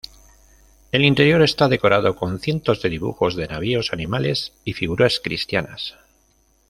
El interior está decorado con cientos de dibujos de navíos, animales y figuras cristianas.